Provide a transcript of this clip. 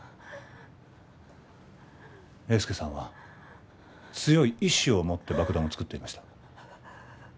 英輔さんは強い意志を持って爆弾を作っていました